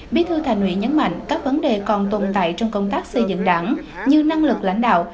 bí thư thành ủy nhấn mạnh các vấn đề còn tồn tại trong công tác xây dựng đảng như năng lực lãnh đạo